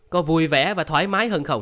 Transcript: có vui vẻ và thoải mái hơn không